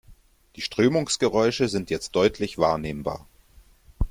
Die Strömungsgeräusche sind jetzt deutlich wahrnehmbar.